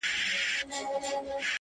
ستا غزل به چا چاته خوښې ورکړي خو’